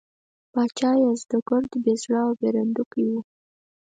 پاچا یزدګُرد بې زړه او بېرندوکی و.